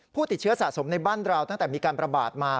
ผู้ติดเชื้อสะสมในบ้านเราตั้งแต่มีการประบาดมา